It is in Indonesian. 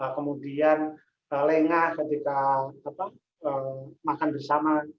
kemudian lengah ketika makan bersama